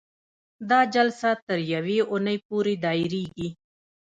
دا جلسه تر یوې اونۍ پورې دایریږي.